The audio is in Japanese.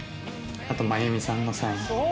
あと真弓さんのサイン。